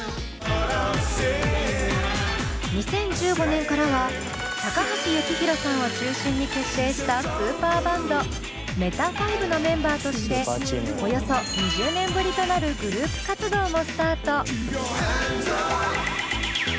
２０１５年からは高橋幸宏さんを中心に結成したスーパーバンドＭＥＴＡＦＩＶＥのメンバーとしておよそ２０年ぶりとなるグループ活動もスタート。